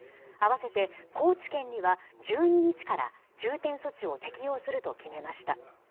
合わせて高知県には１２日から重点措置を適用すると決めました。